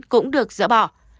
cũng được rỡ bỏ